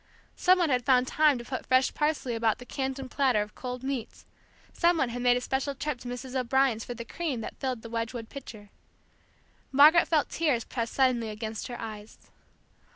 Some one had found time to put fresh parsley about the Canton platter of cold meats, some one had made a special trip to Mrs. O'Brien's for the cream that filled the Wedgwood pitcher. Margaret felt tears press suddenly against her eyes.